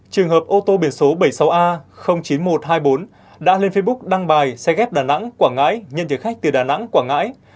trường hợp ô tô biển số bảy mươi sáu a chín nghìn một trăm hai mươi bốn đã lên facebook đăng bài xe ghép đà nẵng quảng ngãi nhân chở khách từ đà nẵng quảng ngãi